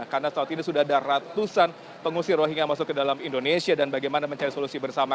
karena saat ini sudah ada ratusan pengusir rohingya masuk ke dalam indonesia dan bagaimana mencari solusi bersama